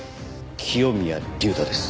清宮隆太です。